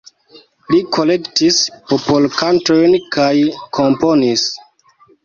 Li kolektis popolkantojn kaj komponis.